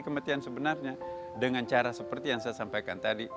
kematian sebenarnya dengan cara seperti yang saya sampaikan tadi